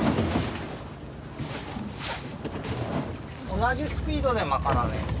同じスピードで巻かなね。